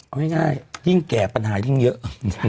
เอาง่ายยิ่งแก่ปัญหายิ่งเยอะ